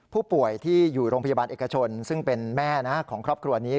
ผู้ป่วยที่อยู่โรงพยาบาลเอกชนซึ่งเป็นแม่ของครอบครัวนี้